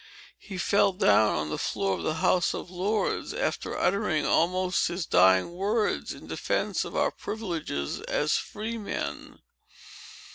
He fell down on the floor of the House of Lords, after uttering almost his dying words in defence of our privileges as freemen.